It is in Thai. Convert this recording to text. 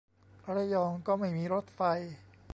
ระยองก็ไม่มีรถไฟ